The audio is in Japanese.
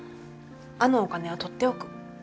あのお金は取っておく。